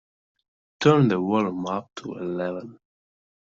Turn the volume up to eleven.